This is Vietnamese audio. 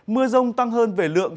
mưa rông tăng hơn về lượng